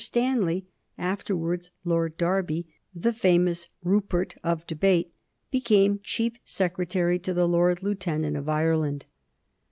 Stanley, afterwards Lord Derby, the famous "Rupert of debate," became Chief Secretary to the Lord Lieutenant of Ireland.